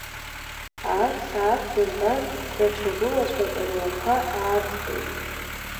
Аақ-сақ дырган, даҽа гәылацәак рлақәа ааҵҟьеит.